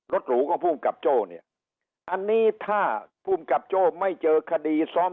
หรูก็ภูมิกับโจ้เนี่ยอันนี้ถ้าภูมิกับโจ้ไม่เจอคดีซ้อม